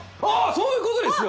そういうことですよ